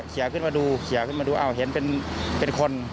เขามาเขียวขึ้นมาดูเห็นเป็นคน